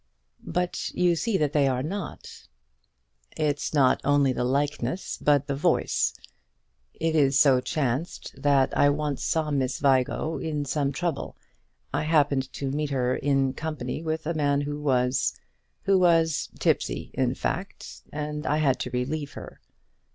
"But you see that they are not." "It's not only the likeness, but the voice. It so chanced that I once saw that Miss Vigo in some trouble. I happened to meet her in company with a man who was, who was tipsy, in fact, and I had to relieve her."